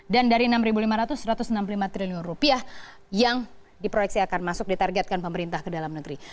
dan dari enam ribu lima ratus satu ratus enam puluh lima triliun rupiah yang diproyeksi akan masuk ditargetkan pemerintah ke dalam negeri